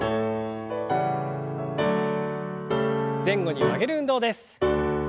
前後に曲げる運動です。